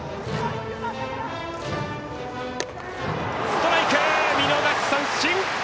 ストライク、見逃し三振！